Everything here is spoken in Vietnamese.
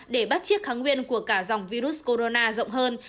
để bắt chiếc kháng nguyên của cả dòng virus corona rộng hơn